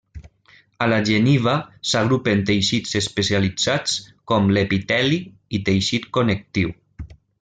A la geniva s'agrupen teixits especialitzats, com l'epiteli i teixit connectiu.